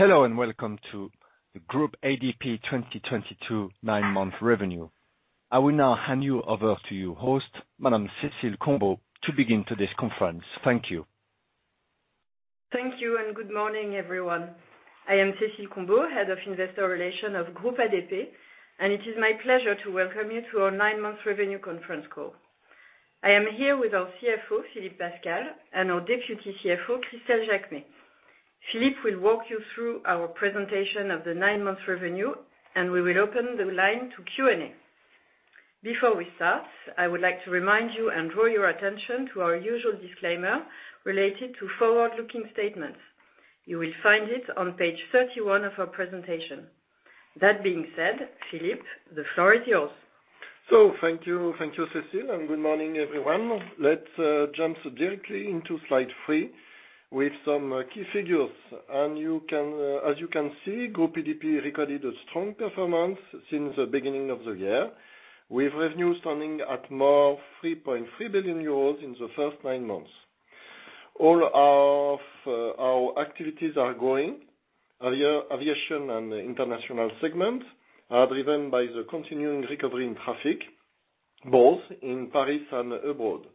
Hello, and welcome to the Groupe ADP 2022 Nine-Month Revenue. I will now hand you over to your host, Madam Cécile Combeau, to begin today's conference. Thank you. Thank you, and good morning, everyone. I am Cécile Combeau, Head of Investor Relations of Groupe ADP, and it is my pleasure to welcome you to our nine-month revenue conference call. I am here with our CFO, Philippe Pascal, and our Deputy CFO, Christelle de Robillard. Philippe will walk you through our presentation of the nine-month revenue, and we will open the line to Q&A. Before we start, I would like to remind you and draw your attention to our usual disclaimer related to forward-looking statements. You will find it on page 31 of our presentation. That being said, Philippe, the floor is yours. Thank you. Thank you, Cécile, and good morning, everyone. Let's jump directly into slide three with some key figures. As you can see, Groupe ADP recorded a strong performance since the beginning of the year, with revenue standing at more than 3.3 billion euros in the first nine months. All of our activities are growing. Aviation and international segment are driven by the continuing recovery in traffic, both in Paris and abroad.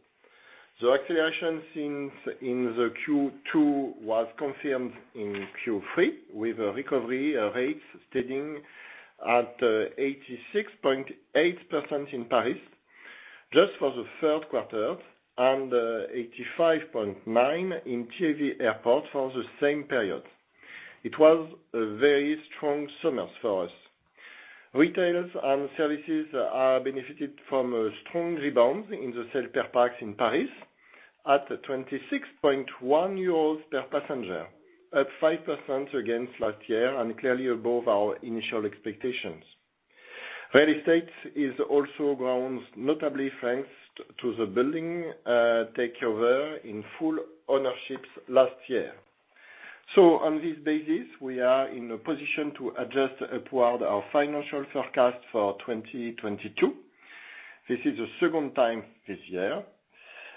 The acceleration seen in Q2 was confirmed in Q3 with a recovery rate standing at 86.8% in Paris just for the third quarter and 85.9% in TAV Airports for the same period. It was a very strong summer for us. Retailers and services have benefited from a strong rebound in the sale per pax in Paris at 26.1 euros per passenger, at 5% against last year and clearly above our initial expectations. Real estate has also grown, notably thanks to the building takeover in full ownership last year. On this basis, we are in a position to adjust upward our financial forecast for 2022. This is the second time this year,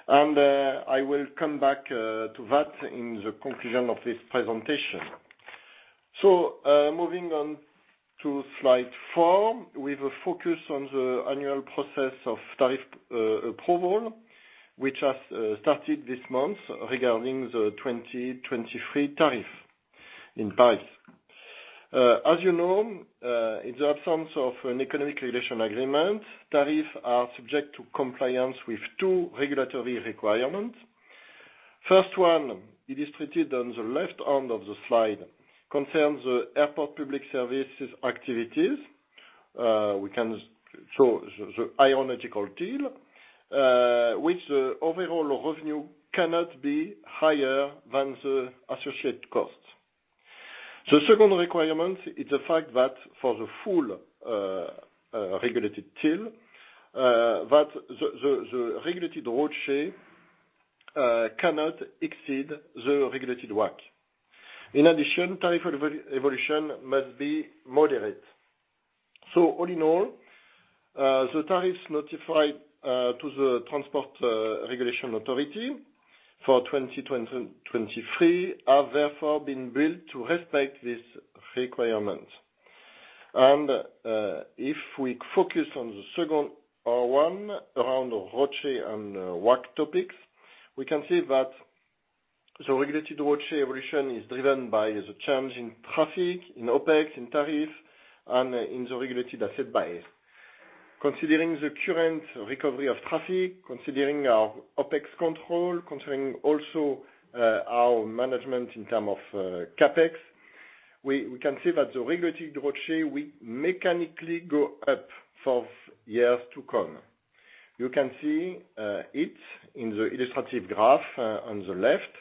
and I will come back to that in the conclusion of this presentation. Moving on to slide four, with a focus on the annual process of tariff approval, which has started this month regarding the 2023 tariff in Paris. As you know, in the absence of an economic regulation agreement, tariffs are subject to compliance with two regulatory requirements. First one, illustrated on the left hand of the slide, concerns the airport public services activities. We can show the aeronautical deal, which the overall revenue cannot be higher than the associated cost. The second requirement is the fact that for the full regulated deal, that the regulated ROCE cannot exceed the regulated WACC. In addition, tariff evolution must be moderate. All in all, the tariffs notified to the Transport Regulation Authority for 2023 have therefore been built to respect this requirement. If we focus on the second one around the ROCE and WACC topics, we can see that the regulated ROCE evolution is driven by the change in traffic, in OpEx, in tariff, and in the regulated asset base. Considering the current recovery of traffic, considering our OpEx control, considering also our management in terms of CapEx, we can see that the regulated ROCE will mechanically go up for years to come. You can see it in the illustrative graph on the left.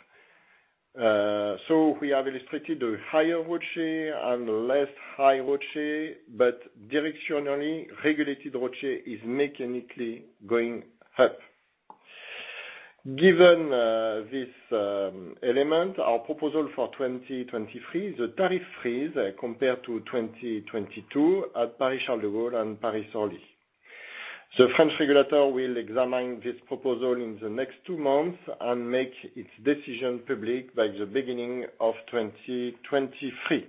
We have illustrated the higher ROCE and less high ROCE, but directionally, regulated ROCE is mechanically going up. Given this element, our proposal for 2023 is a tariff freeze compared to 2022 at Paris Charles de Gaulle and Paris Orly. The French regulator will examine this proposal in the next two months and make its decision public by the beginning of 2023.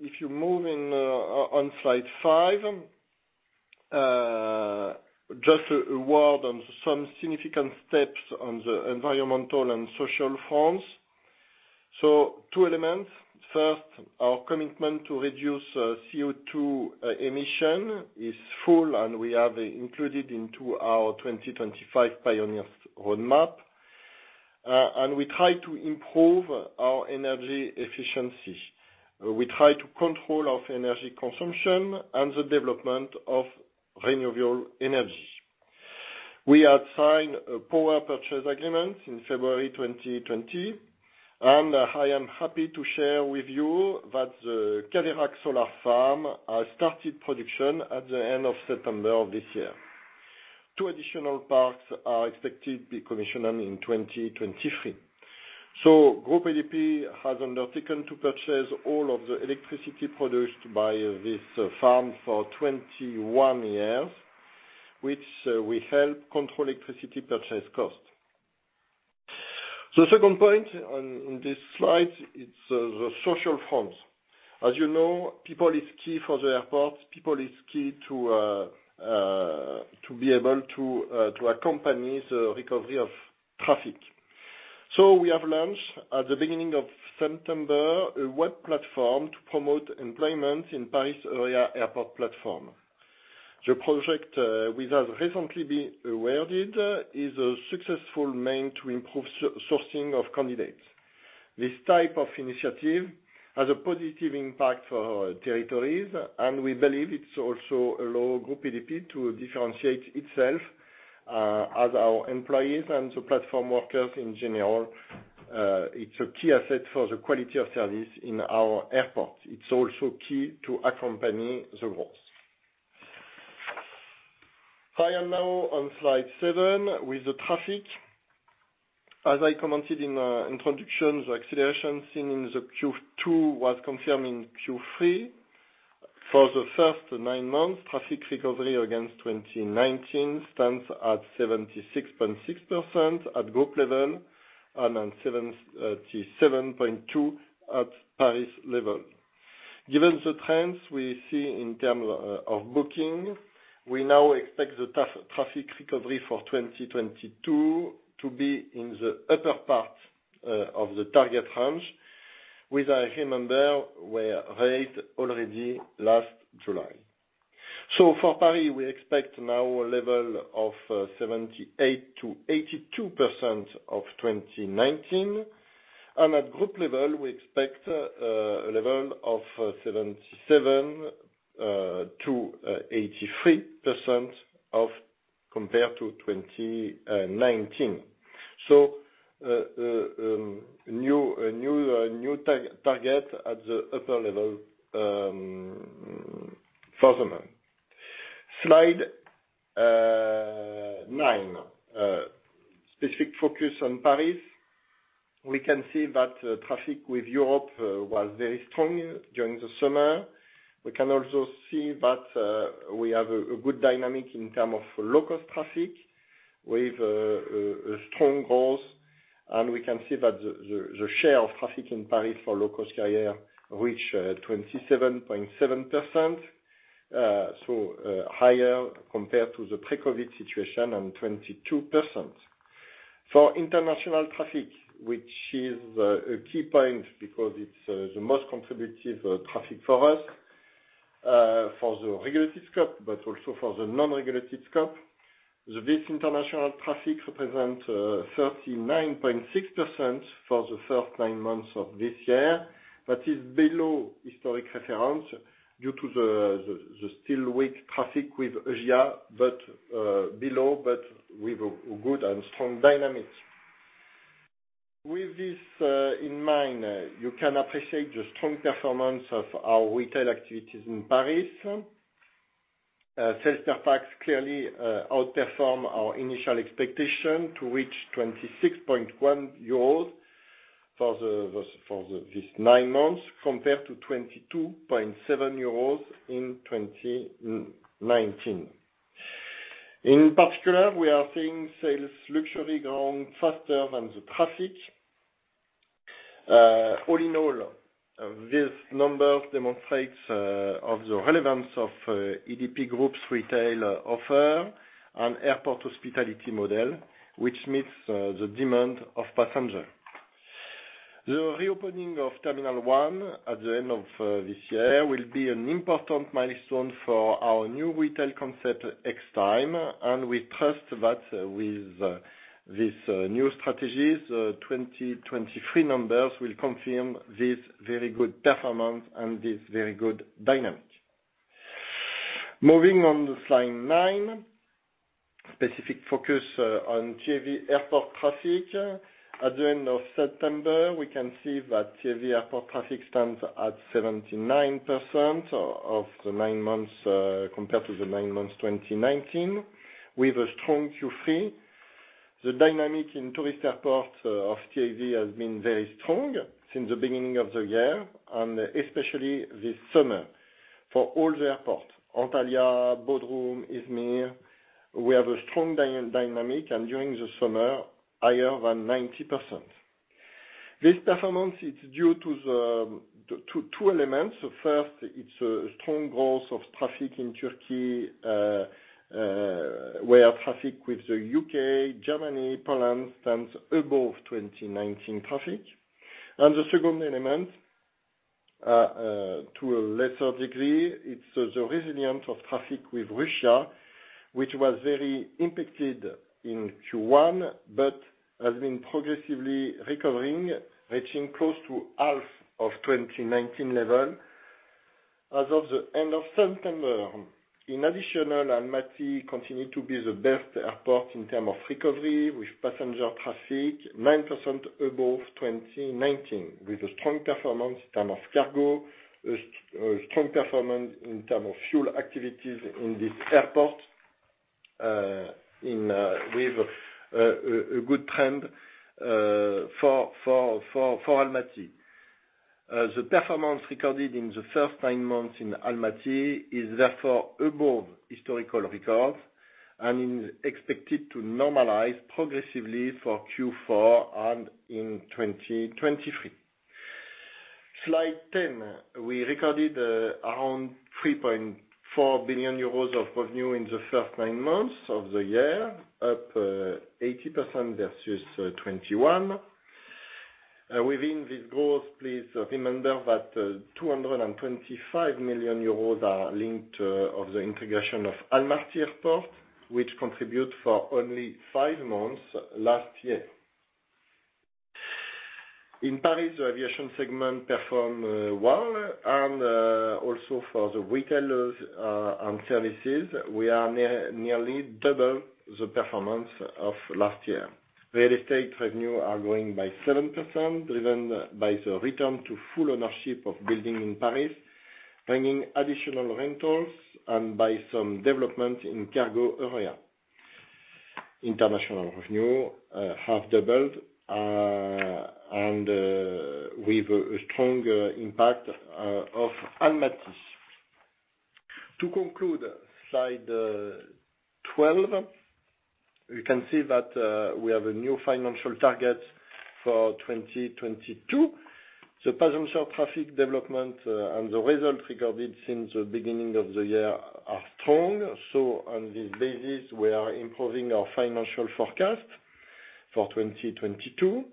If you move in on slide five, just a word on some significant steps on the environmental and social fronts. Two elements. First, our commitment to reduce CO₂ emissions is firm, and we have included into our 2025 Pioneers roadmap. We try to improve our energy efficiency. We try to control our energy consumption and the development of renewable energy. We had signed a power purchase agreement in February 2020, and I am happy to share with you that the Caveirac Solar Farm started production at the end of September of this year. Two additional parks are expected to be commissioned in 2023. Groupe ADP has undertaken to purchase all of the electricity produced by this farm for 21 years, which will help control electricity purchase costs. The second point on this slide is the social front. As you know, people is key for the airport, people is key to be able to accompany the recovery of traffic. We have launched at the beginning of September a web platform to promote employment in Paris area airport platform. The project, which has recently been awarded is a successful means to improve sourcing of candidates. This type of initiative has a positive impact for our territories, and we believe it's also allow Groupe ADP to differentiate itself as our employees and the platform workers in general. It's a key asset for the quality of service in our airport. It's also key to accompany the growth. I am now on slide seven with the traffic. As I commented in the introduction, the acceleration seen in the Q2 was confirmed in Q3. For the first nine months, traffic recovery against 2019 stands at 76.6% at group level and at 77.2% at Paris level. Given the trends we see in terms of booking, we now expect the traffic recovery for 2022 to be in the upper part of the target range, which I remember were raised already last July. For Paris, we expect now a level of 78%-82% of 2019. At group level, we expect a level of 77%-83% compared to 2019. New target at the upper level for slide nine. Specific focus on Paris. We can see that traffic with Europe was very strong during the summer. We can also see that we have a good dynamic in term of low-cost traffic with a strong growth. We can see that the share of traffic in Paris for low-cost carrier reached 27.7%, so higher compared to the pre-COVID situation and 22%. For international traffic, which is a key point because it's the most contributive traffic for us, for the regulated scope, but also for the non-regulated scope. This international traffic represent 39.6% for the first nine months of this year. That is below historic reference due to the still weak traffic with Asia, but below but with a good and strong dynamic. With this in mind, you can appreciate the strong performance of our retail activities in Paris. Sales per pax clearly outperform our initial expectation to reach 26.1 euros this nine months compared to 22.7 euros in 2019. In particular, we are seeing luxury sales growing faster than the traffic. All in all, this number demonstrates of the relevance of Groupe ADP's retail offer and airport hospitality model, which meets the demand of passenger. The reopening of Terminal 1 at the end of this year will be an important milestone for our new retail concept, Extime, and we trust that with this new strategies, 2023 numbers will confirm this very good performance and this very good dynamic. Moving on to slide nine, specific focus on TAV Airports traffic. At the end of September, we can see that TAV Airports traffic stands at 79% of the nine months compared to the nine months 2019, with a strong Q3. The dynamic in tourist airports of TAV has been very strong since the beginning of the year, and especially this summer for all the airports, Antalya, Bodrum, Izmir. We have a strong dynamic and during the summer, higher than 90%. This performance is due to two elements. First, it's a strong growth of traffic in Turkey, where traffic with the UK, Germany, Poland stands above 2019 traffic. The second element, to a lesser degree, it's the resilience of traffic with Russia, which was very impacted in Q1 but has been progressively recovering, reaching close to half of 2019 level as of the end of September. In addition, Almaty International Airport continued to be the best airport in terms of recovery with passenger traffic 9% above 2019 with a strong performance in terms of cargo, a strong performance in terms of fuel activities in this airport, with a good trend for Almaty International Airport. The performance recorded in the first nine months in Almaty International Airport is therefore above historical records and is expected to normalize progressively for Q4 and in 2023. Slide 10. We recorded around 3.4 billion euros of revenue in the first nine months of the year, up 80% versus 2021. Within this growth, please remember that 225 million euros are linked of the integration of Almaty International Airport, which contribute for only five months last year. In Paris, the aviation segment performed well and also for the retailers and services, we are nearly double the performance of last year. Real estate revenue are growing by 7%, driven by the return to full ownership of building in Paris, bringing additional rentals and by some development in cargo area. International revenue have doubled and with a strong impact of Almaty. To conclude, slide 12. You can see that we have a new financial target for 2022. The passenger traffic development and the results recorded since the beginning of the year are strong. On this basis, we are improving our financial forecast for 2022.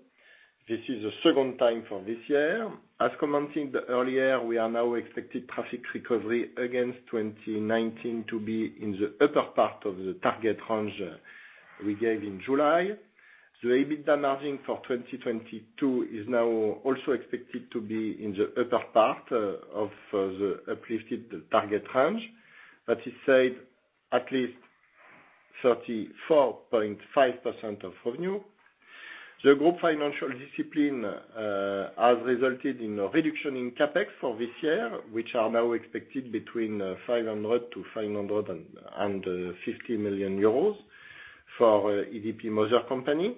This is the second time for this year. As commented earlier, we are now expecting traffic recovery against 2019 to be in the upper part of the target range we gave in July. The EBITDA margin for 2022 is now also expected to be in the upper part of the uplifted target range. That is to say at least 34.5% of revenue. The Group financial discipline has resulted in a reduction in CapEx for this year, which is now expected between 500 million and 550 million euros for ADP parent company.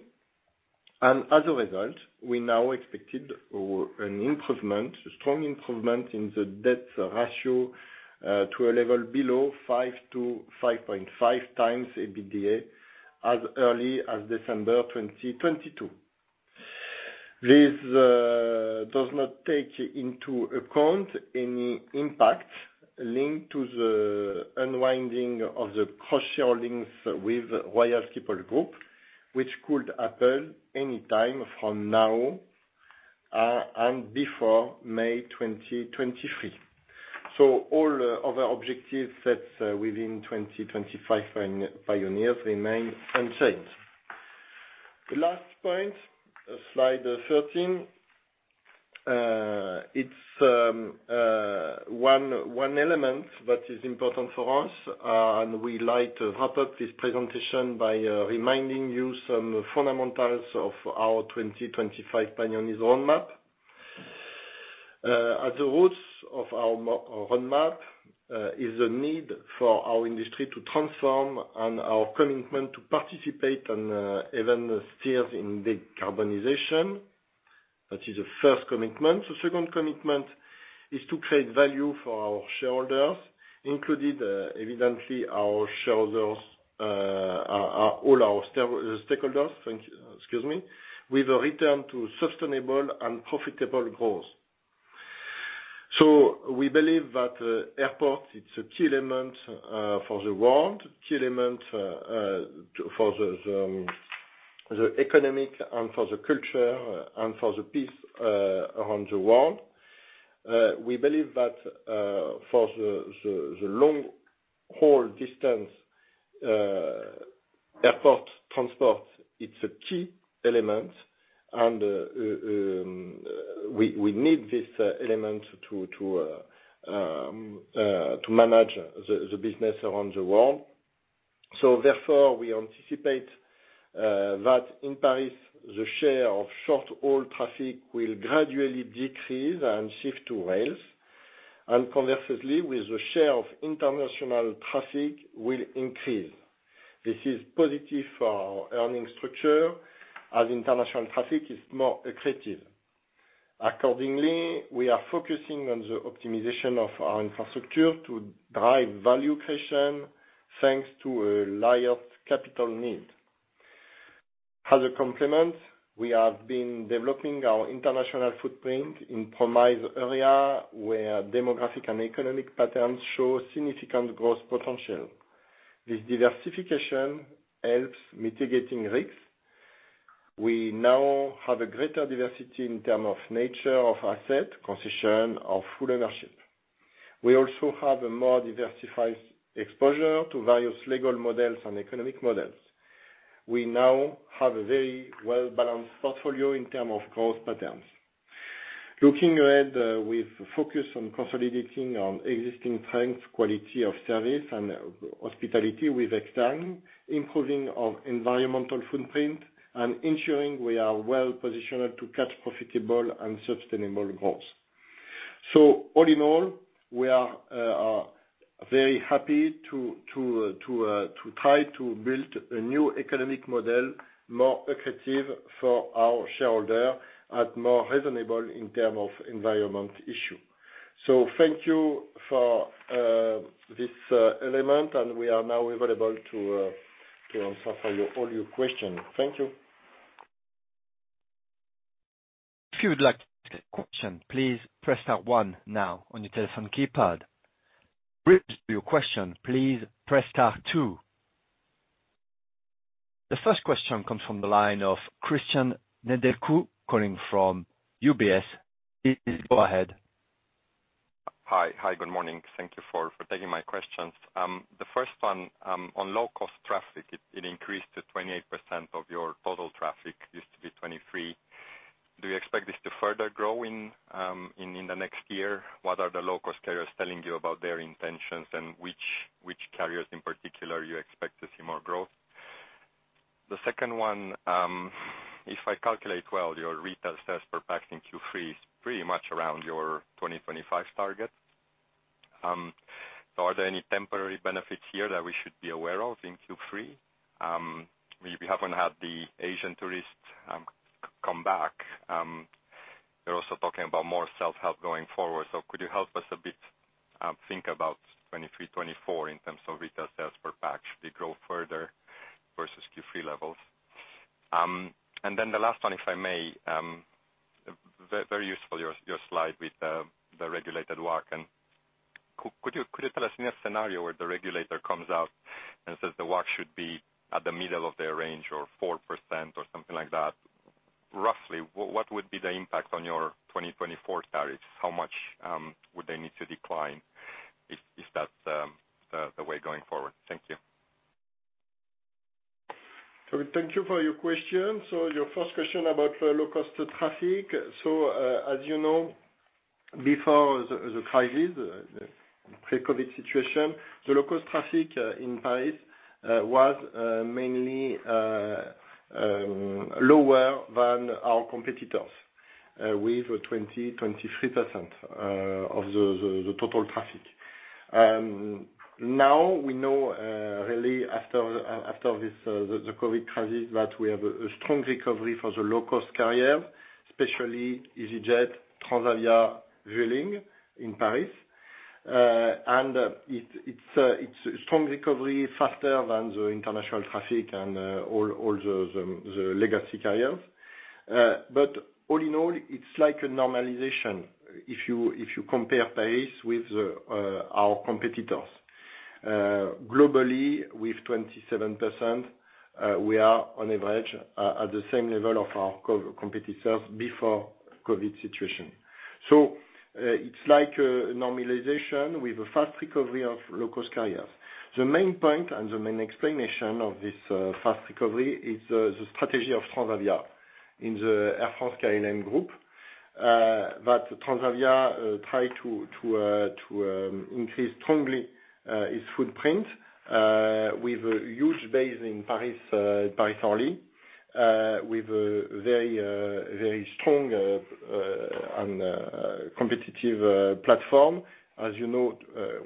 As a result, we now expect an improvement, a strong improvement in the debt ratio to a level below 5x-5.5x EBITDA as early as December 2022. This does not take into account any impact linked to the unwinding of the cross-shareholdings with Royal Schiphol Group, which could happen at any time from now and before May 2023. All other objectives set within 2025 Pioneers remain unchanged. The last point, slide 13. It's one element that is important for us, and we'd like to wrap up this presentation by reminding you of some fundamentals of our 2025 Pioneers roadmap. At the roots of our roadmap is the need for our industry to transform and our commitment to participate in, and even steer, in decarbonization. That is the first commitment. The second commitment is to create value for our shareholders, including, evidently, all our stakeholders with a return to sustainable and profitable growth. We believe that airport it's a key element for the world, key element for the economic and for the culture and for the peace around the world. We believe that for the long-haul distance airport transport, it's a key element and we need this element to manage the business around the world. We anticipate that in Paris, the share of short-haul traffic will gradually decrease and shift to rails, and conversely, the share of international traffic will increase. This is positive for our earnings structure as international traffic is more accretive. Accordingly, we are focusing on the optimization of our infrastructure to drive value creation thanks to a lower capital need. As a complement, we have been developing our international footprint in promising areas where demographic and economic patterns show significant growth potential. This diversification helps mitigate risks. We now have a greater diversity in terms of nature of assets, concession, or full ownership. We also have a more diversified exposure to various legal models and economic models. We now have a very well-balanced portfolio in terms of growth patterns. Looking ahead, we focus on consolidating on existing strength, quality of service and hospitality with Extime, improving our environmental footprint, and ensuring we are well-positioned to catch profitable and sustainable growth. All in all, we are very happy to try to build a new economic model, more attractive for our shareholder and more reasonable in terms of environment issue. Thank you for this element, and we are now available to answer all your questions. Thank you. If you would like to ask a question, please press star one now on your telephone keypad. To withdraw your question, please press star two. The first question comes from the line of Cristian Nedelcu calling from UBS. Please go ahead. Hi. Hi, good morning. Thank you for taking my questions. The first one, on low-cost traffic, it increased to 28% of your total traffic. Used to be 23%. Do you expect this to further grow in the next year? What are the low cost carriers telling you about their intentions and which carriers in particular you expect to see more growth? The second one, if I calculate well, your retail sales per pack in Q3 is pretty much around your 2025 target. So are there any temporary benefits here that we should be aware of in Q3? We haven't had the Asian tourists come back. You're also talking about more self-help going forward. Could you help us a bit, think about 2023/2024 in terms of retail sales per pack? Should they grow further versus Q3 levels? The last one, if I may, very useful, your slide with the regulated WACC. Could you tell us in a scenario where the regulator comes out and says the WACC should be at the middle of their range or 4% or something like that, roughly, what would be the impact on your 2024 tariffs? How much would they need to decline if that's the way going forward? Thank you. Thank you for your question. Your first question about the low cost traffic. As you know, before the crisis, pre-COVID situation, the low cost traffic in Paris was mainly lower than our competitors with 23% of the total traffic. Now we know really after this the COVID crisis, that we have a strong recovery for the low cost carrier, especially easyJet, Transavia, Vueling in Paris. And it's strong recovery faster than the international traffic and all the legacy carriers. But all in all, it's like a normalization if you compare Paris with our competitors. Globally, with 27%, we are on average at the same level of our competitors before COVID situation. It's like a normalization with a fast recovery of low-cost carriers. The main point and the main explanation of this fast recovery is the strategy of Transavia in the Air France-KLM group that Transavia try to increase strongly its footprint with a huge base in Paris Paris Orly with a very strong and competitive platform. As you know,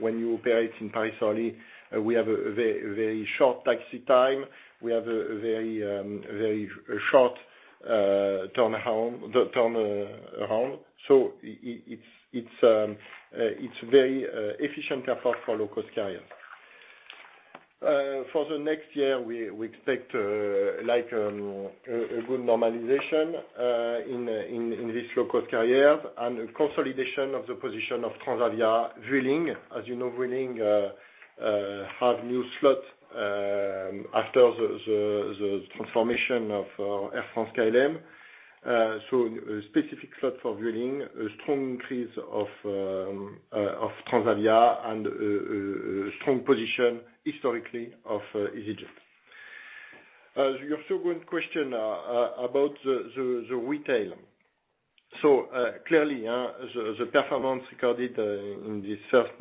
when you operate in Paris Orly, we have a very short taxi time. We have a very short turnaround. It's very efficient for low-cost carrier. For the next year, we expect, like, a good normalization in this low cost carrier and consolidation of the position of Transavia, Vueling. As you know, Vueling have new slot after the transformation of Air France-KLM. So a specific slot for Vueling, a strong increase of Transavia and strong position historically of easyJet. Your second question about the retail. Clearly, the performance recorded in this first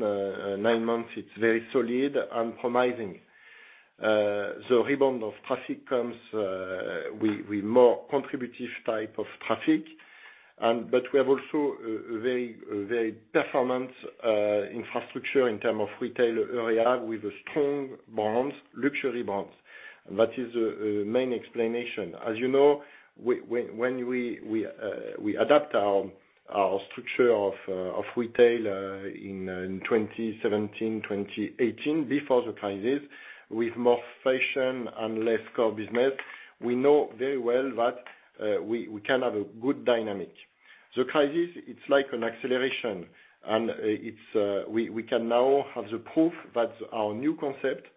nine months, it's very solid and promising. The rebound of traffic comes with more contributive type of traffic. We have also a very performant infrastructure in term of retail area with a strong brands, luxury brands. That is a main explanation. As you know, when we adapt our structure of retail in 2017, 2018, before the crisis, with more fashion and less core business, we know very well that we can have a good dynamic. The crisis, it's like an acceleration, and it's we can now have the proof that our new concept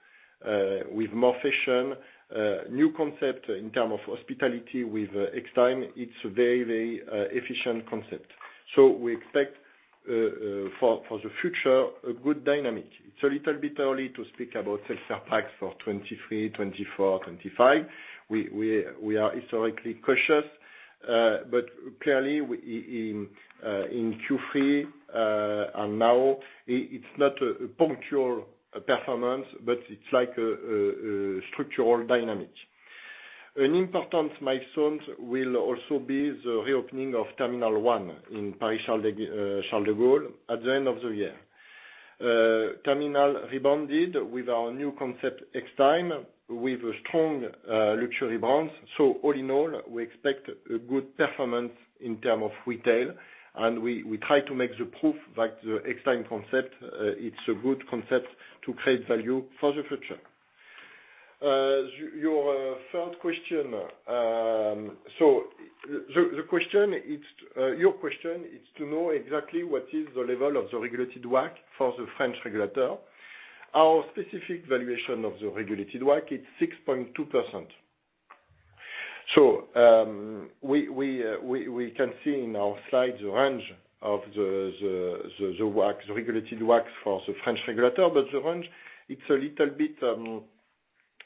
with more fashion, new concept in terms of hospitality with Extime, it's very efficient concept. We expect for the future, a good dynamic. It's a little bit early to speak about sales per pax for 2023, 2024, 2025. We are historically cautious, but clearly in Q3 and now it's not a punctual performance, but it's like a structural dynamic. An important milestone will also be the reopening of Terminal 1 in Paris Charles de Gaulle at the end of the year. Terminal 1 rebounded with our new concept, Extime, with strong luxury brands. All in all, we expect a good performance in terms of retail and we try to make the proof that the Extime concept, it's a good concept to create value for the future. Your third question. The question is, your question is to know exactly what is the level of the regulated WACC for the French regulator. Our specific valuation of the regulated WACC is 6.2%. We can see in our slide range of the WACC, regulated WACC for the French regulator. The range, it's a little bit,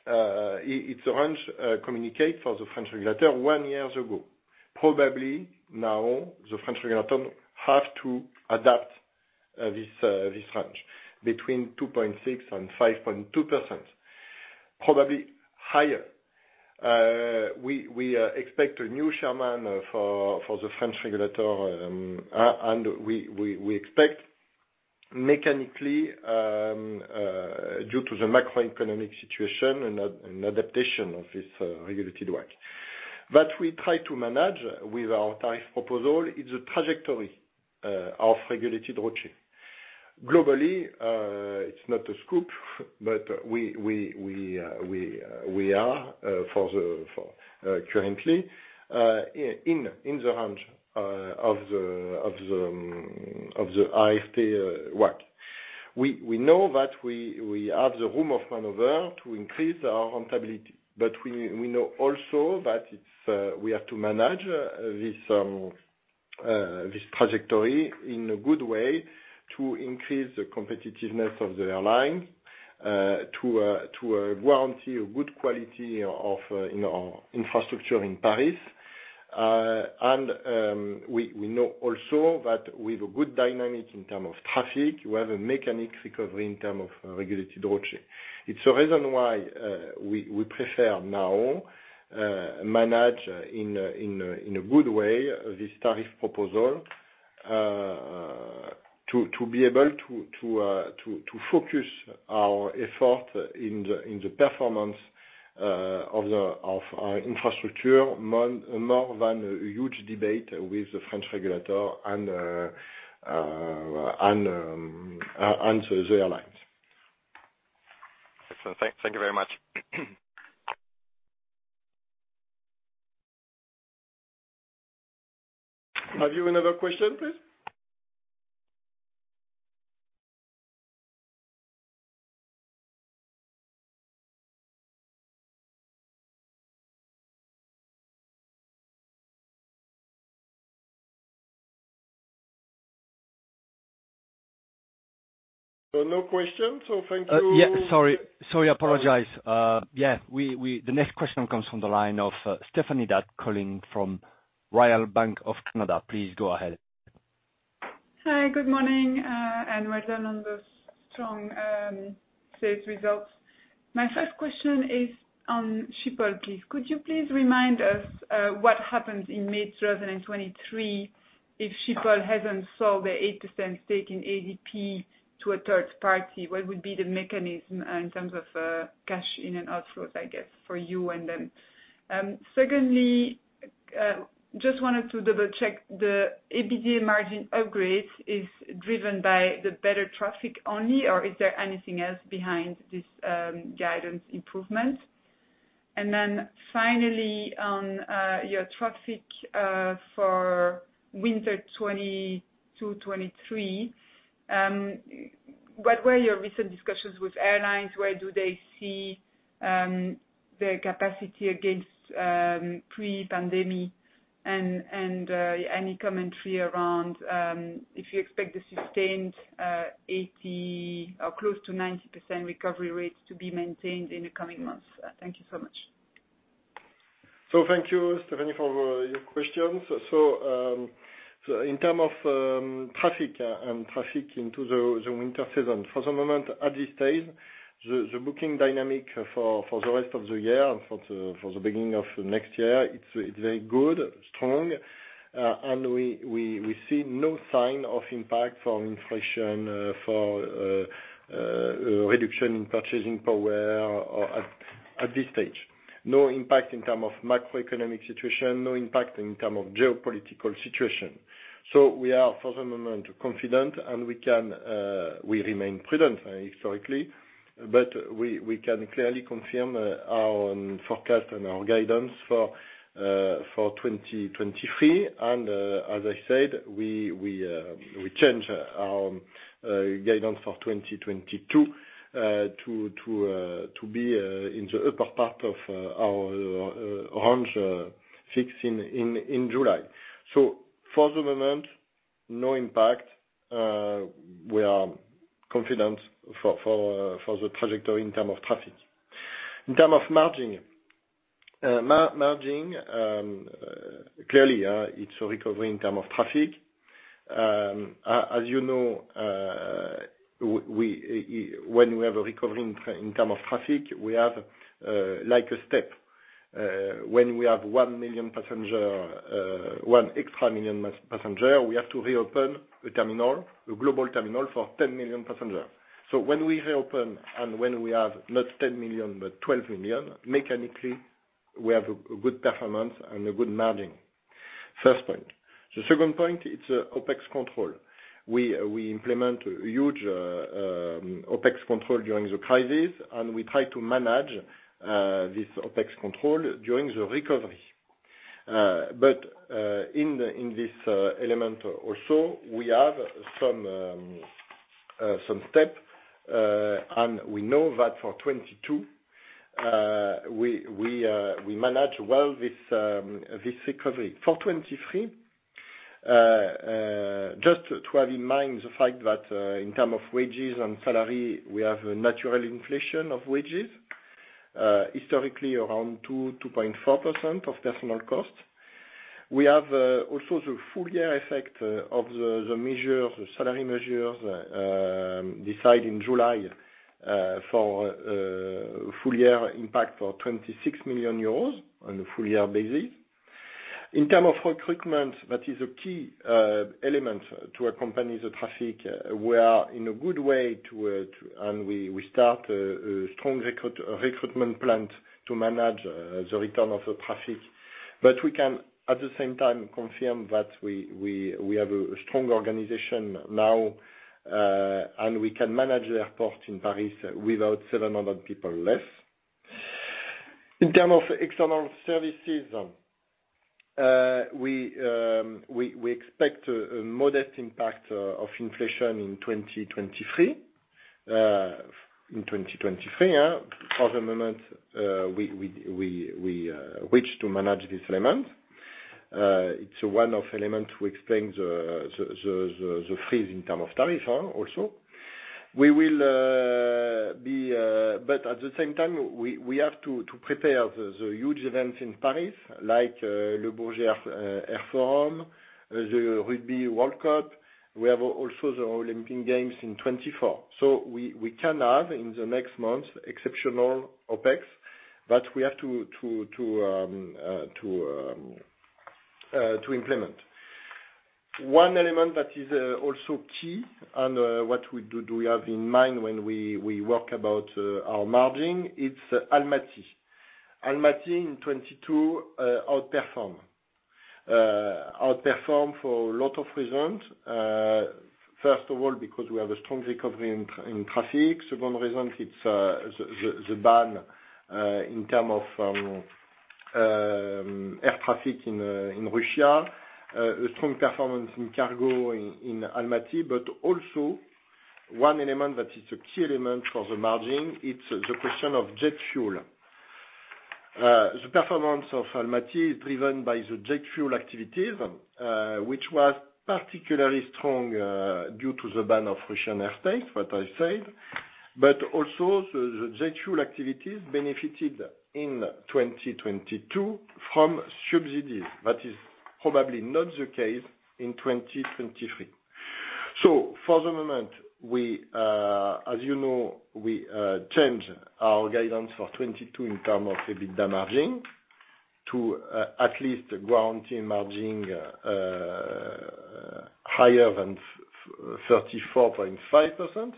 it's a range communicated for the French regulator one year ago. Probably now the French regulator have to adapt this range between 2.6% and 5.2%, probably higher. We expect a new chairman for the French regulator, and we expect mechanically due to the macroeconomic situation an adaptation of this regulated WACC. We try to manage with our tariff proposal a trajectory of regulated ROCE. Globally, it's not a scoop, but we are currently in the range of the ART WACC. We know that we have the room of maneuver to increase our profitability, but we know also that we have to manage this trajectory in a good way to increase the competitiveness of the airline, to guarantee a good quality of, you know, infrastructure in Paris. We know also that with a good dynamic in term of traffic, we have a mechanical recovery in term of regulated ROCE. It's the reason why we prefer now manage in a good way this tariff proposal to be able to focus our effort in the performance of our infrastructure more than a huge debate with the French regulator and the airlines. Excellent. Thank you very much. Have you another question, please? No question, so thank you. Sorry, I apologize. The next question comes from the line of ´´Stéphanie D'Ath calling from Royal Bank of Canada. Please go ahead. Hi, good morning, and well done on the strong sales results. My first question is on Schiphol, please. Could you please remind us what happens in mid-2023 if Schiphol hasn't sold the 80% stake in ADP to a third party? What would be the mechanism in terms of cash in and outflows, I guess, for you and them? Secondly, just wanted to double-check the EBITDA margin upgrade is driven by the better traffic only, or is there anything else behind this guidance improvement? Finally on your traffic for winter 2022-2023, what were your recent discussions with airlines? Where do they see the capacity against pre-pandemic? Any commentary around if you expect the sustained 80% or close to 90% recovery rates to be maintained in the coming months? Thank you so much. Thank you, Stéphanie, for your questions. In terms of traffic into the winter season, for the moment, at this stage, the booking dynamic for the rest of the year and for the beginning of next year, it's very good, strong. We see no sign of impact from inflation or reduction in purchasing power or at this stage. No impact in terms of macroeconomic situation. No impact in terms of geopolitical situation. We are, for the moment, confident and we can remain prudent historically, but we can clearly confirm our forecast and our guidance for 2023. As I said, we change guidance for 2022 to be in the upper part of our range fixed in July. For the moment, no impact. We are confident for the trajectory in terms of traffic. In terms of margin. Clearly, it's a recovery in terms of traffic. As you know, when we have a recovery in terms of traffic, we have, like a step. When we have 1 million passengers, 1 million extra passengers, we have to reopen a terminal, a global terminal for 10 million passengers. When we reopen, and when we have not 10 million, but 12 million, mechanically, we have a good performance and a good margin. First point. The second point, it's OpEx control. We implement a huge OpEx control during the crisis, and we try to manage this OpEx control during the recovery. In this element also, we have some steps, and we know that for 2022, we manage well this recovery. For 2023, just to have in mind the fact that, in terms of wages and salary, we have a natural inflation of wages, historically around 2.4% of personnel costs. We have also the full year effect of the salary measures decided in July, for full year impact for 26 million euros on a full year basis. In terms of recruitment, that is a key element to accompany the traffic. We are in a good way to and we start a strong recruitment plan to manage the return of the traffic. We can, at the same time, confirm that we have a strong organization now and we can manage the airport in Paris without 700 people less. In terms of external services, we expect a modest impact of inflation in 2023. In 2023, yeah. For the moment, we wish to manage this element. It's one of the elements which explains the freeze in terms of tariff also. At the same time, we have to prepare the huge events in Paris, like Le Bourget Air Show, the Rugby World Cup. We have also the Olympic Games in 2024. We can have, in the next month, exceptional OpEx, but we have to implement. One element that is also key and what we have in mind when we talk about our margin, it's Almaty. Almaty in 2022 outperformed for a lot of reasons. First of all, because we have a strong recovery in traffic. Second reason, it's the ban in terms of air traffic in Russia. A strong performance in cargo in Almaty. One element that is a key element for the margin, it's the question of jet fuel. The performance of Almaty is driven by the jet fuel activities, which was particularly strong due to the ban of Russian airspace, what I said. The jet fuel activities benefited in 2022 from subsidies. That is probably not the case in 2023. For the moment, as you know, we change our guidance for 2022 in terms of EBITDA margin to at least guarantee margin higher than 34.5%.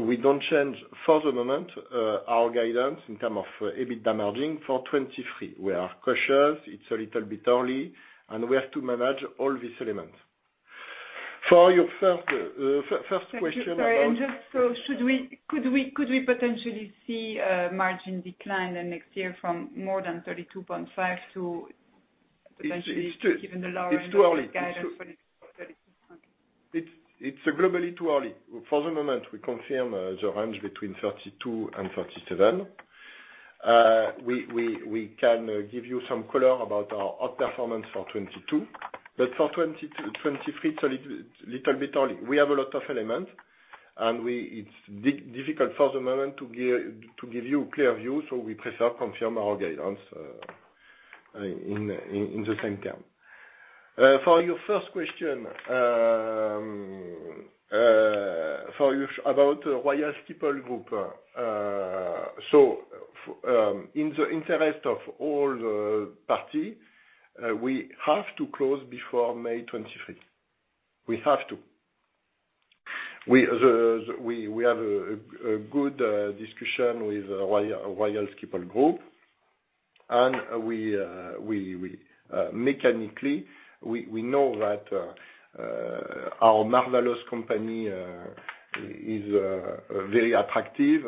We don't change for the moment our guidance in terms of EBITDA margin for 2023. We are cautious. It's a little bit early, and we have to manage all these elements. For your first question about- Sorry, could we potentially see a margin decline next year from more than 32.5% given the lower guidance for next year? It's too early. Okay. It's globally too early. For the moment, we confirm the range between 32 and 37. We can give you some color about our outperformance for 2022. For 2023, it's a little bit early. We have a lot of elements, and it's difficult for the moment to give you clear view, so we prefer confirm our guidance in the same term. For your first question about Royal Schiphol Group. In the interest of all the parties, we have to close before May 25. We have to. We have a good discussion with Royal Schiphol Group. We mechanically know that our marvelous company is very attractive.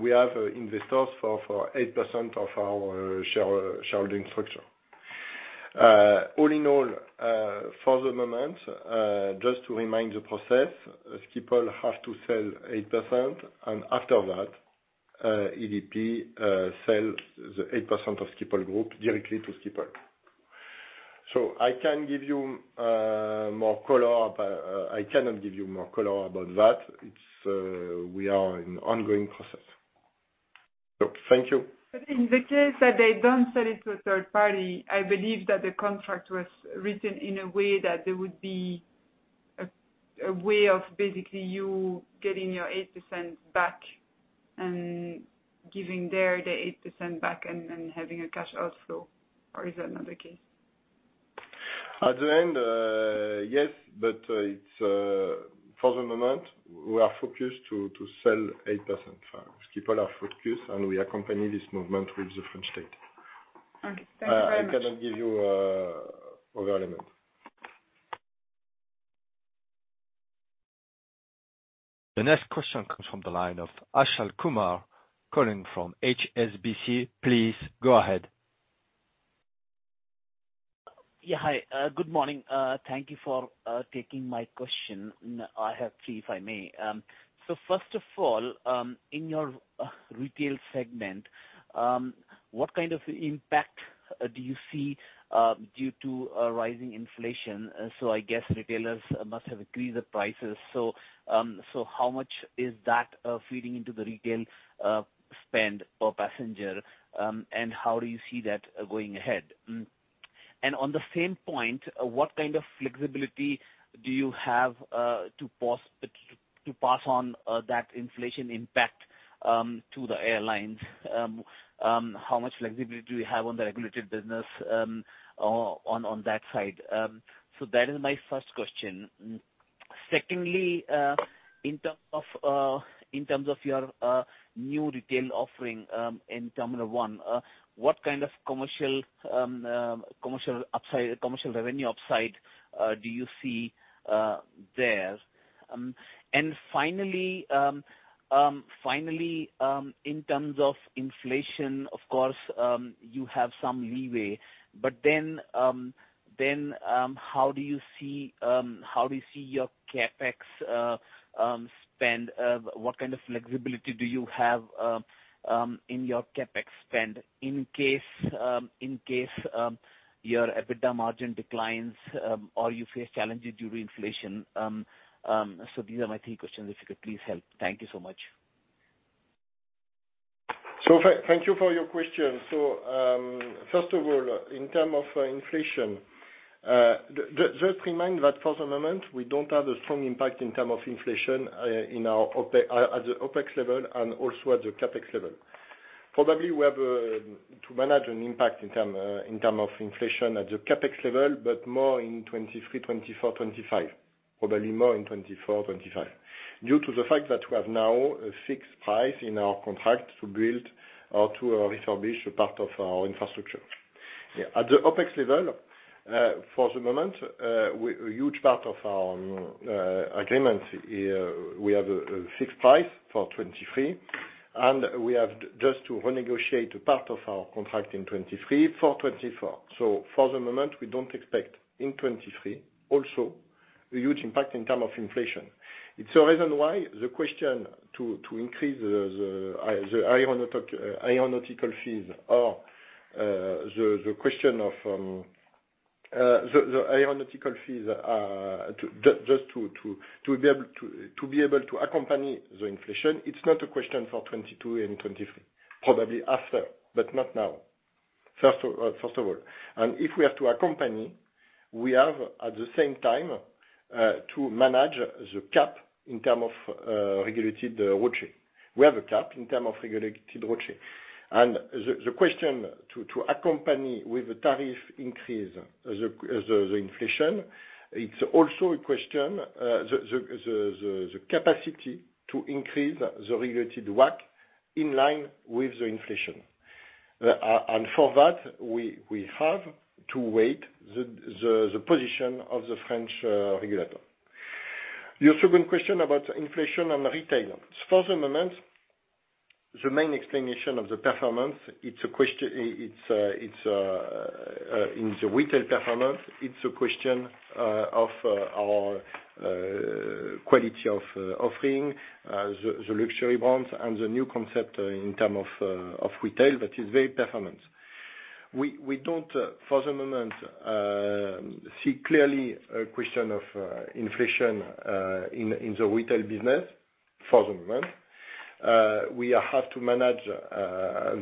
We have investors for 8% of our shareholding structure. All in all, for the moment, just to remind the process, Schiphol have to sell 8%, and after that, ADP sell the 8% of Schiphol Group directly to Schiphol. I can give you more color, but I cannot give you more color about that. It's, we are in ongoing process. Thank you. In the case that they don't sell it to a third party, I believe that the contract was written in a way that there would be a way of basically you getting your 8% back and giving their, the 8% back and then having a cash outflow. Or is that not the case? At the end, yes, but it's for the moment we are focused to sell 8%. People are focused, and we accompany this movement with the French state. Okay. Thank you very much. I cannot give you a further element. The next question comes from the line of Akshat Kumar calling from HSBC. Please go ahead. Yeah. Hi. Good morning. Thank you for taking my question. I have three, if I may. First of all, in your retail segment, what kind of impact do you see due to rising inflation? I guess retailers must have increased the prices. How much is that feeding into the retail spend per passenger? And how do you see that going ahead? And on the same point, what kind of flexibility do you have to pass on that inflation impact to the airlines? How much flexibility do you have on the regulated business, on that side? That is my first question. Secondly, in terms of your new retail offering in Terminal 1, what kind of commercial revenue upside do you see there? Finally, in terms of inflation, of course, you have some leeway, but then how do you see your CapEx spend? What kind of flexibility do you have in your CapEx spend in case your EBITDA margin declines or you face challenges due to inflation? So these are my three questions, if you could please help. Thank you so much. Thank you for your question. First of all, in terms of inflation, just remind that for the moment, we don't have a strong impact in terms of inflation in our OpEx at the OpEx level, and also at the CapEx level. Probably we have to manage an impact in terms of inflation at the CapEx level, but more in 2023, 2024, 2025. Probably more in 2024, 2025, due to the fact that we have now a fixed price in our contract to build or to establish a part of our infrastructure. At the OpEx level, for the moment, a huge part of our agreement we have a fixed price for 2023, and we have just to renegotiate a part of our contract in 2023 for 2024. For the moment, we don't expect in 2023 also a huge impact in terms of inflation. It's a reason why the question to increase the aeronautical fees or the question of the aeronautical fees just to be able to accompany the inflation. It's not a question for 2022 and 2023, probably after, but not now. First of all. If we have to accompany, we have at the same time to manage the cap in terms of regulated revenue. We have a cap in terms of regulated revenue. The question to accompany with the tariff increase the inflation, it's also a question of the capacity to increase the regulated WACC in line with the inflation. For that, we have to wait for the position of the French regulator. Your second question about inflation and retail. For the moment, the main explanation of the performance, it's a question. It's in the retail performance, it's a question of our quality of offering, the luxury brands and the new concept in terms of retail that is very performant. We don't, for the moment, see clearly a question of inflation in the retail business, for the moment. We have to manage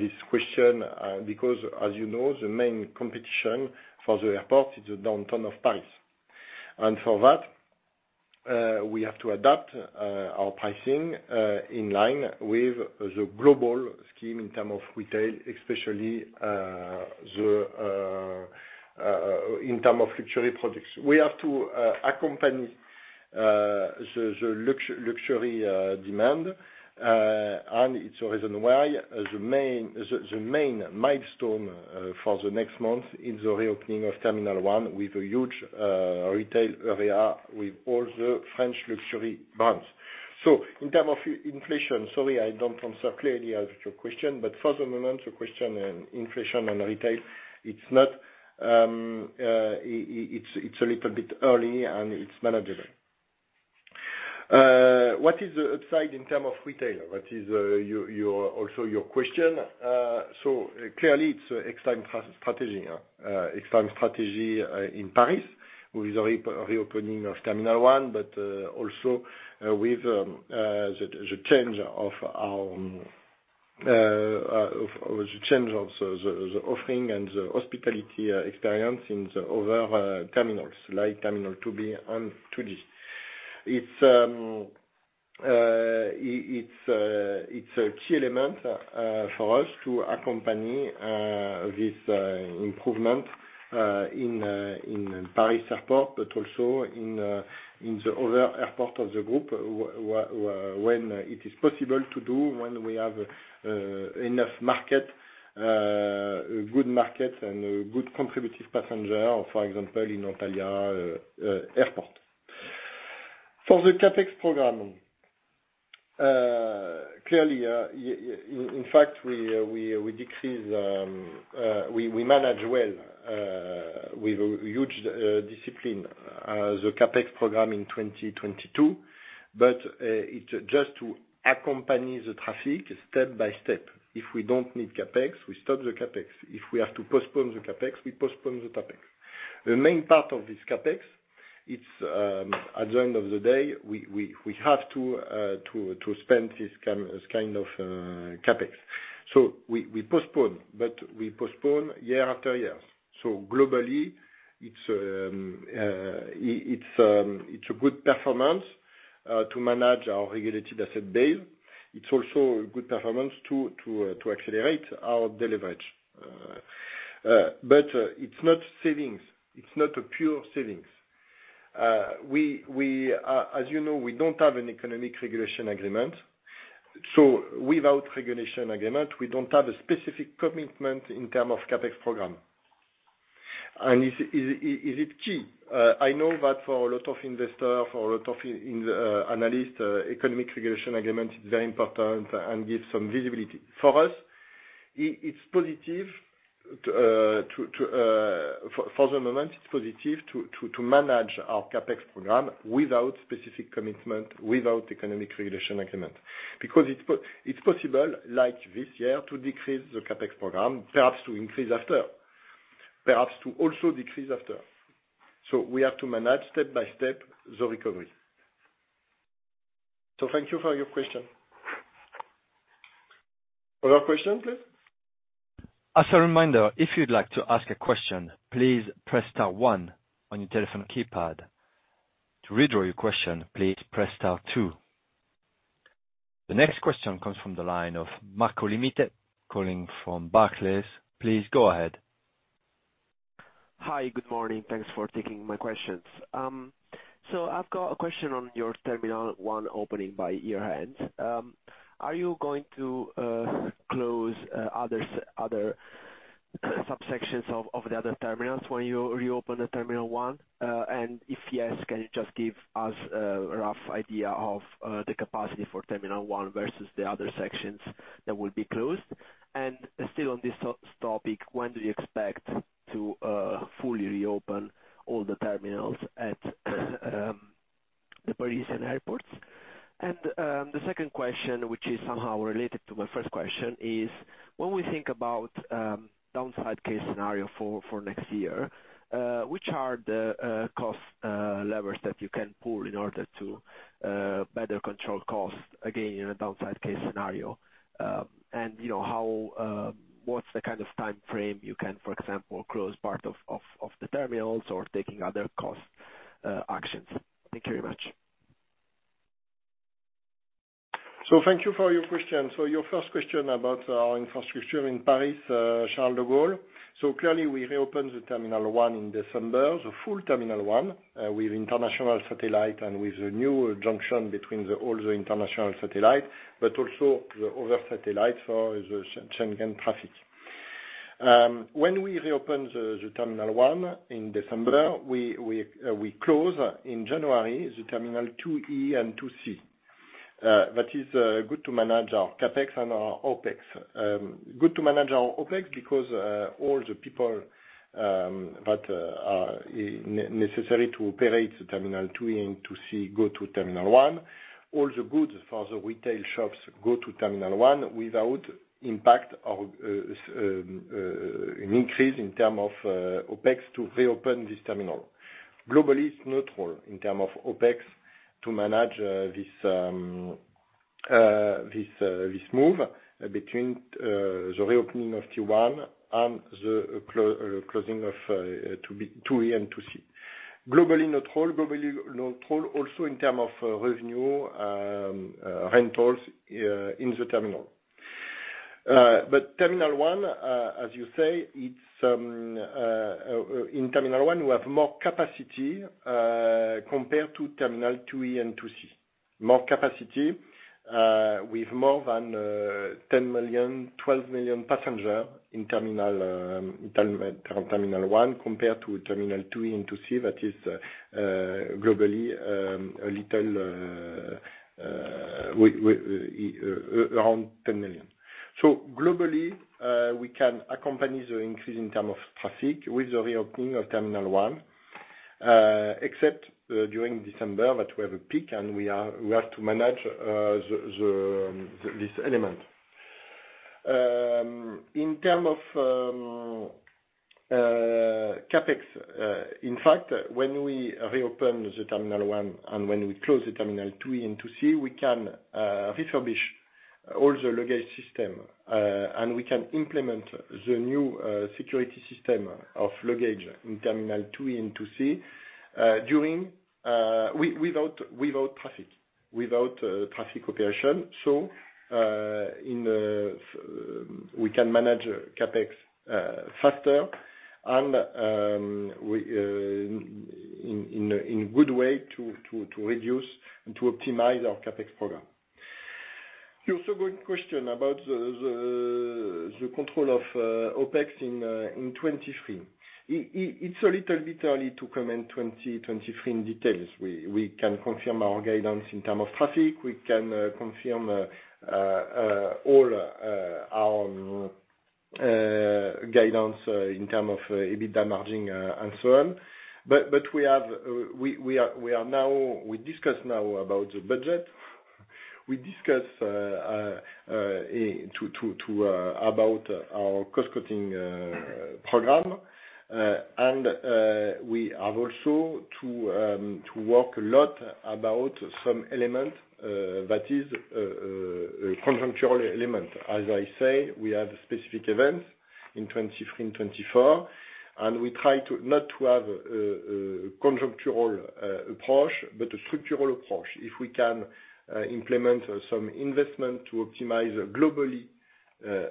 this question because as you know, the main competition for the airport is the downtown prices. For that, we have to adapt our pricing in terms of retail, especially the in terms of luxury products. We have to accompany the luxury demand. It's a reason why the main milestone for the next month is the reopening of Terminal 1 with a huge retail area with all the French luxury brands. In terms of inflation, sorry, I don't answer clearly to your question, but for the moment, the question of inflation and retail, it's not it's a little bit early, and it's manageable. What is the upside in terms of retail? What is your also your question. Clearly it's Extime strategy in Paris, with the reopening of Terminal 1, but also with the change of the offering and the hospitality experience in the other terminals, like Terminal 2B and 2D. It's a key element for us to accompany this improvement in Paris Airport, but also in the other airport of the group, when it is possible to do, when we have enough market, good market and good contributive passenger, for example, in Antalya Airport. For the CapEx program, clearly, in fact, we manage well with huge discipline the CapEx program in 2022. It's just to accompany the traffic step by step. If we don't need CapEx, we stop the CapEx. If we have to postpone the CapEx, we postpone the CapEx. The main part of this CapEx, it's at the end of the day, we have to spend this kind of CapEx. We postpone, but we postpone year after year. Globally, it's a good performance to manage our regulated asset base. It's also a good performance to accelerate our de-leverage. It's not savings. It's not a pure savings. As you know, we don't have an economic regulation agreement. Without regulation agreement, we don't have a specific commitment in terms of CapEx program. Is it key? I know that for a lot of investors, for a lot of analysts, economic regulation agreement is very important and gives some visibility. For us, it's positive, for the moment, it's positive to manage our CapEx program without specific commitment, without economic regulation agreement. Because it's possible, like this year, to decrease the CapEx program, perhaps to increase after, perhaps to also decrease after. We have to manage step by step the recovery. Thank you for your question. Other questions, please? As a reminder, if you'd like to ask a question, please press star one on your telephone keypad. To withdraw your question, please press star two. The next question comes from the line of Marco Limite, calling from Barclays. Please go ahead. Hi, good morning. Thanks for taking my questions. I've got a question on your Terminal 1 opening by year-end. Are you going to close other subsections of the other terminals when you reopen Terminal 1? If yes, can you just give us a rough idea of the capacity for Terminal 1 versus the other sections that will be closed? Still on this topic, when do you expect to fully reopen all the terminals at the Parisian airports? The second question, which is somehow related to my first question, is when we think about downside case scenario for next year, which are the cost levers that you can pull in order to better control costs, again, in a downside case scenario? You know, how, what's the kind of timeframe you can, for example, close part of the terminals or taking other cost actions? Thank you very much. Thank you for your question. Your first question about our infrastructure in Paris, Charles de Gaulle. Clearly we reopened the Terminal 1 in December, the full Terminal 1, with international satellite and with the new junction between all the international satellite, but also the other satellite for the Schengen traffic. When we reopened the Terminal 1 in December, we closed in January the Terminal 2E and 2C. That is good to manage our CapEx and our OpEx. Good to manage our OpEx because all the people that are necessary to operate the Terminal 2 and 2C go to Terminal 1. All the goods for the retail shops go to Terminal 1 without impact of an increase in terms of OpEx to reopen this terminal. Globally, it's neutral in terms of OpEx to manage this move between the reopening of T1 and the closing of two E and two C. Globally neutral also in terms of revenue, rentals in the terminal. Terminal 1, as you say, it's in Terminal 2, we have more capacity compared to Terminal 1E and 2C. More capacity with more than 10 million-12 million passengers in Terminal 1, compared to Terminal 2E and 2C, that is globally with around 10 million. Globally we can accompany the increase in terms of traffic with the reopening of Terminal 1, except during December that we have a peak and we have to manage this element. In terms of CapEx, in fact, when we reopen Terminal 1 and when we close Terminal 2 and 2C, we can refurbish all the luggage system and we can implement the new security system of luggage in Terminal 2 and 2C during without traffic operation. We can manage CapEx faster and in good way to reduce and to optimize our CapEx program. Also good question about the control of OpEx in 2023. It's a little bit early to comment 2023 in detail. We can confirm our guidance in terms of traffic. We can confirm all our guidance in terms of EBITDA margin and so on. We discuss now about the budget. We discuss about our cost cutting program. We have also to work a lot about some element that is a conjunctural element. As I say, we have specific events in 2023-2024, and we try not to have conjunctural approach, but a structural approach. If we can implement some investment to optimize globally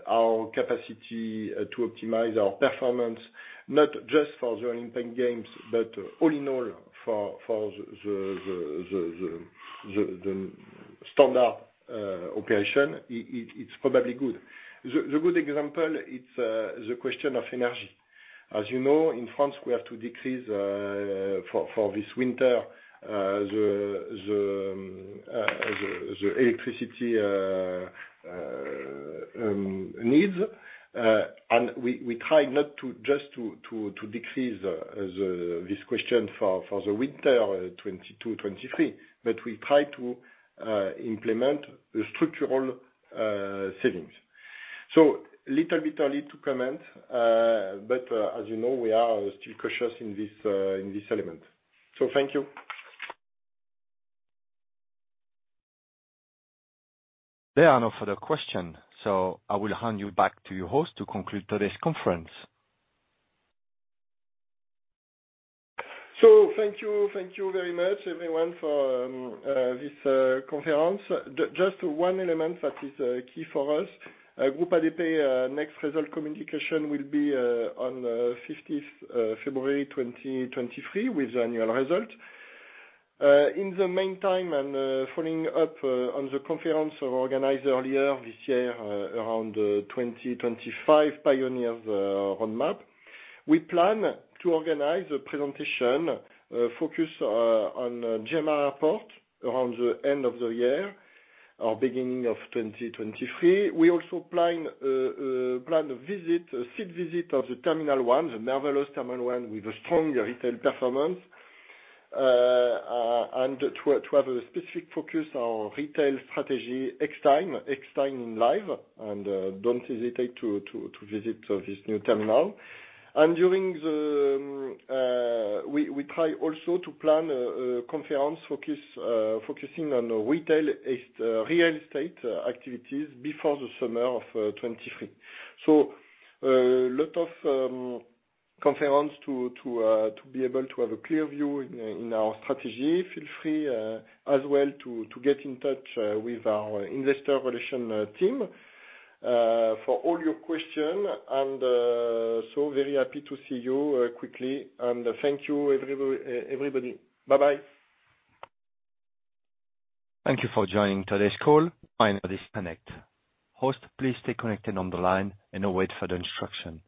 our capacity to optimize our performance, not just for the Olympic Games, but all in all for the standard operation, it's probably good. The good example is the question of energy. As you know, in France, we have to decrease for this winter the electricity needs. We try not to just decrease the this question for the winter 2022-2023, but we try to implement the structural savings. Little bit early to comment, but as you know, we are still cautious in this, in this element. Thank you. There are no further questions, so I will hand you back to your host to conclude today's conference. Thank you very much everyone for this conference. Just one element that is key for us. Groupe ADP next results communication will be on 15th February 2023 with annual results. In the meantime, following up on the conference organized earlier this year around 2025 Pioneers roadmap. We plan to organize a presentation focused on GMR Airports around the end of the year or beginning of 2023. We also plan a visit, a site visit of Terminal 1, the marvelous Terminal 1 with a strong retail performance. And to have a specific focus on retail strategy next time live, and don't hesitate to visit this new terminal. During the we try also to plan a conference focus focusing on retail real estate activities before the summer of 2023. Lot of conference to be able to have a clear view in our strategy. Feel free as well to get in touch with our investor relations team for all your questions. Very happy to see you quickly. Thank you everybody. Bye-bye. Thank you for joining today's call on Chorus Call. Host, please stay connected on the line and await further instruction.